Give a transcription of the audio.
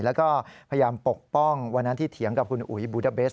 แล้วก็พยายามปกป้องวันนั้นที่เถียงกับคุณอุ๋ยบูดาเบส